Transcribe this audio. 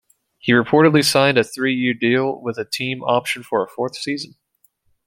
He reportedly signed a three-year deal with a team option for a fourth season.